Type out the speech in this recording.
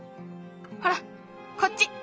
ほらこっち！